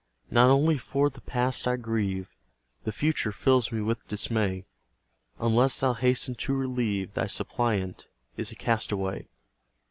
Not only for the Past I grieve, The Future fills me with dismay; Unless Thou hasten to relieve, Thy suppliant is a castaway.